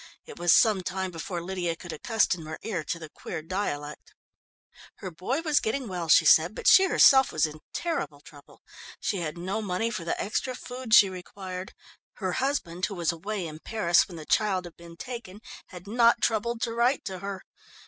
It was some time before Lydia could accustom her ear to the queer dialect. Her boy was getting well, she said, but she herself was in terrible trouble. She had no money for the extra food she required. Her husband who was away in Paris when the child had been taken, had not troubled to write to her.